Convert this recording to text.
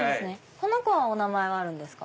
この子はお名前あるんですか？